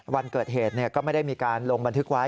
วันเกิดเหตุก็ไม่ได้มีการลงบันทึกไว้